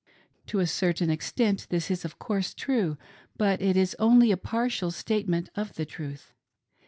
To a certain extent this is, of course, true ; but it is only a partial statement of the truth.